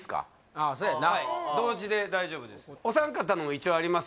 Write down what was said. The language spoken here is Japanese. ああそうやな同時で大丈夫ですどうですか？